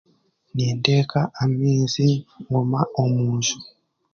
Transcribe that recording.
Ninteeka amaizi nguma omunju